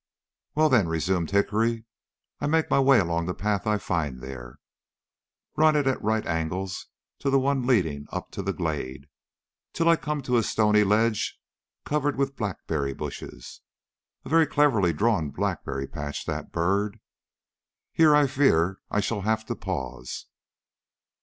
"Well, then," resumed Hickory, "I make my way along the path I find there run it at right angles to the one leading up to the glade till I come to a stony ledge covered with blackberry bushes. (A very cleverly drawn blackberry patch that, Byrd.) Here I fear I shall have to pause."